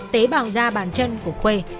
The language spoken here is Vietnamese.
tế bào da bàn chân của khuê